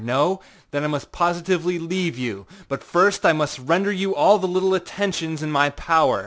No? Then I must positively leave you. But I must first render you all the little attentions in my power.